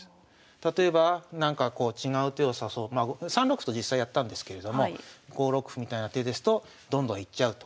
例えばなんかこう違う手を指そうまあ３六歩と実際やったんですけれども５六歩みたいな手ですとどんどんいっちゃうと。